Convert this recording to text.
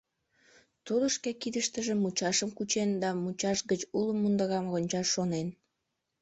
Тудо шке кидыштыже мучашым кучен да мучаш гыч уло мундырам рончаш шонен.